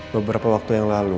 beberapa waktu yang lalu